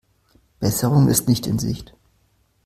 Besserung ist nicht in Sicht.